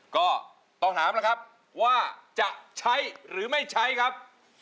ก็ต้องถามแล้วครับว่าจะใช้หรือไม่ใช้ครับ